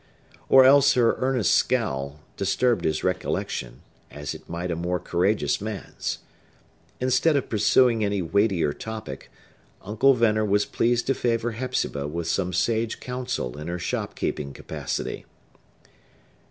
—or else her earnest scowl disturbed his recollection, as it might a more courageous man's. Instead of pursuing any weightier topic, Uncle Venner was pleased to favor Hepzibah with some sage counsel in her shop keeping capacity.